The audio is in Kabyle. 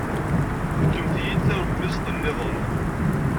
Fkemt-iyi-d talemmiẓt niḍen.